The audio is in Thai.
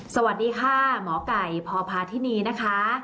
สวัสดีค่ะหมอไก่พพาธินีนะคะ